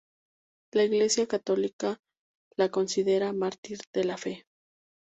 La Iglesia católica la considera mártir de la fe.